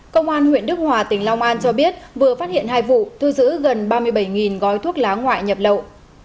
công an huyện đức hòa tỉnh long an cho biết vừa phát hiện hai vụ thu giữ gần ba mươi bảy gói thuốc lá ngoại nhập lậu